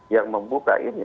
yang membuka ini